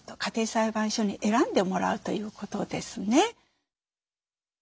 家庭裁判所に選んでもらうということですね。